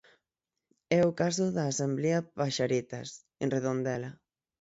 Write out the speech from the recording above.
É o caso da Asemblea Paxaretas, en Redondela.